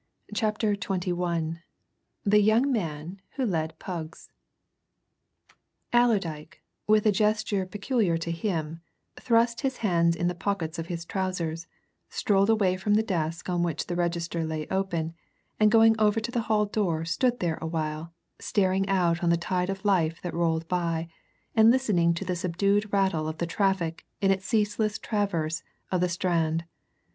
S.A. CHAPTER XXI THE YOUNG MAN WHO LED PUGS Allerdyke, with a gesture peculiar to him, thrust his hands in the pockets of his trousers, strolled away from the desk on which the register lay open, and going over to the hall door stood there a while, staring out on the tide of life that rolled by, and listening to the subdued rattle of the traffic in its ceaseless traverse of the Strand.